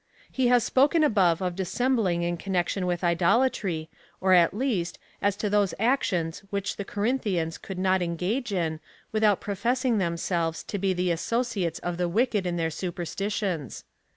He lias spoken above of dissembling in connection with idolatry, or, at least, as to those actions which the Corinthians could not engage in, without professing themselves to be the associates of the wicked in their superstitions.